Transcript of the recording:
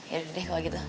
yaudah deh kalo gitu